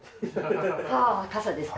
はあ傘ですか。